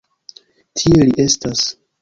Tie li estas.